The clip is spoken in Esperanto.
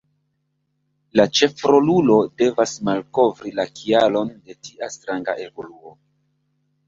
La ĉefrolulo devas malkovri la kialon de tia stranga evoluo.